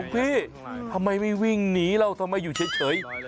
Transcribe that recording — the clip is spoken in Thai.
พี่ทำไมไม่วิ่งหนีเราทำไมอยู่เฉย